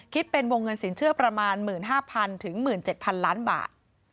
เป็นวงเงินสินเชื่อประมาณ๑๕๐๐๐ถึง๑๗๐๐ล้านบาท